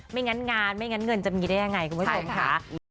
ไม่งั้นงานไม่งั้นเงินจะมีได้ยังไงคุณผู้ชมค่ะ